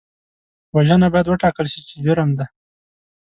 وژنه باید وټاکل شي چې جرم دی